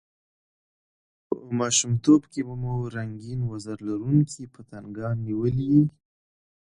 په ماشومتوب کښي به مو رنګین وزر لرونکي پتنګان نیولي يي!